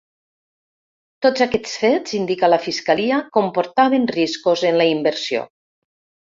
Tots aquests fets, indica la fiscalia, comportaven riscos en la inversió.